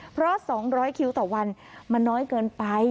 เพราะ๒๐๐คิวต่อวันมันน้อยเกินไป